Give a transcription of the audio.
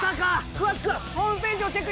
詳しくはホームページをチェック！